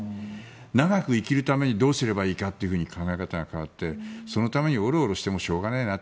長く生きるためにどうすればいいかって考え方が変わってそのためにおろおろしてもしょうがねえなって。